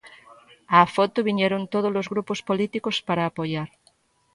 Á foto viñeron todos os grupos políticos para apoiar.